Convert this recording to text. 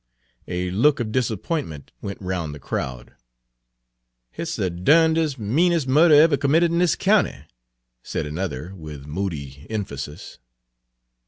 A look of disappointment went round the crowd. "Hit 's the durndes', meanes' murder ever committed in this caounty," said another, with moody emphasis.